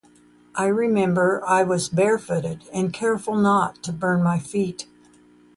I remember I was barefooted and careful not to burn my feet.